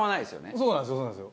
そうなんですよそうなんですよ。